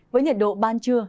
với nhiệt độ ban trưa